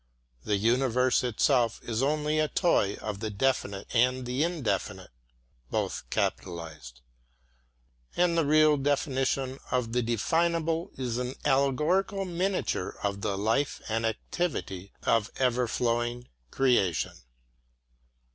The universe itself is only a toy of the Definite and the Indefinite; and the real definition of the definable is an allegorical miniature of the life and activity of ever flowing creation.